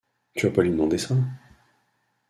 Tu vas pas lui demander ça ?